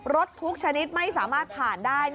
รถทุกชนิดไม่สามารถผ่านได้